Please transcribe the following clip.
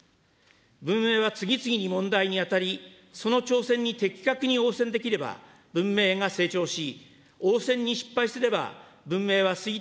文明は次々に問題に当たり、その挑戦に的確に応戦できれば、文明が成長し、応戦に失敗すれば文明は衰退